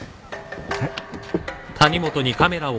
えっ？